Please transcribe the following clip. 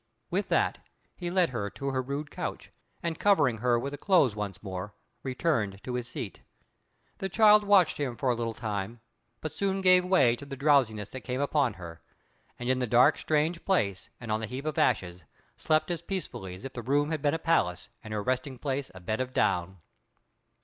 With that, he led her to her rude couch, and covering her with the clothes once more, returned to his seat. The child watched him for a little time, but soon gave way to the drowsiness that came upon her, and in the dark, strange place and on the heap of ashes slept as peacefully as if the room had been a palace and her resting place a bed of down.